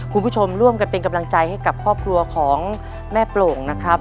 คุณผู้ชมร่วมกันเป็นกำลังใจให้กับครอบครัวของแม่โปร่งนะครับ